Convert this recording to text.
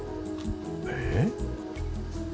えっ？